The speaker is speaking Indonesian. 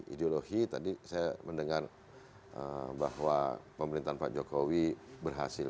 ideologi tadi saya mendengar bahwa pemerintahan pak jokowi berhasil